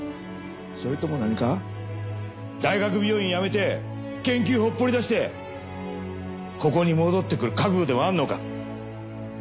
それともなにか大学病院辞めて研究ほっぽり出してここに戻ってくる覚悟でもあるのか？